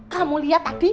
kamu liat tadi